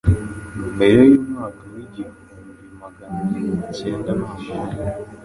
Mbere y'umwaka wa igihumbi Magana acyenda numunani